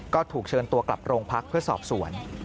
ก็ถูกเชิญตัวกลับโรงพักเพื่อสอบสวน